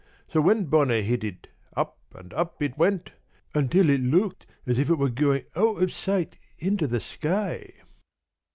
So when Bonner hit it, up and up it went, until it looked as if it were going out of sight into the sky."